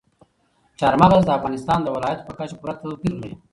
چار مغز د افغانستان د ولایاتو په کچه پوره توپیر لري.